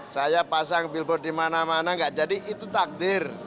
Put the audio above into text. saya pasang billboard di mana mana enggak jadi itu takdir